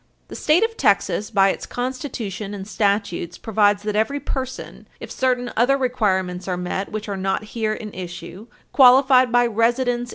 The State of Texas by its Constitution and statutes provides that every person, if certain other requirements are met which are not here in issue, qualified by residence Page 321 U. S.